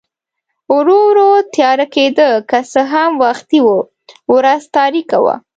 ورو ورو تیاره کېده، که څه هم وختي و، ورځ تاریکه وه.